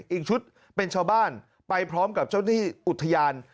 อีกชุดเป็นชาวบ้านไปพร้อมกับเจ้าหน้าที่อุทยาน